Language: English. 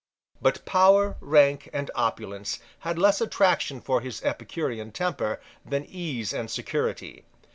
But power, rank, and opulence had less attraction for his Epicurean temper than ease and security.